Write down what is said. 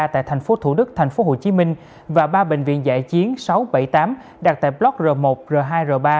tại thành phố thủ đức thành phố hồ chí minh và ba bệnh viện giải chiến sáu trăm bảy mươi tám đặt tại block r một r hai r ba